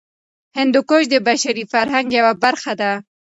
هندوکش د بشري فرهنګ یوه برخه ده.